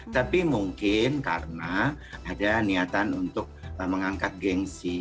tapi mungkin karena ada niatan untuk mengangkat gengsi